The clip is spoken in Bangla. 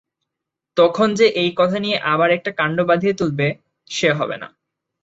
তখন যে এই কথা নিয়ে আবার একটা কাণ্ড বাধিয়ে তুলবে সে হবে না।